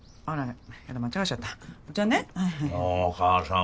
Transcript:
あら。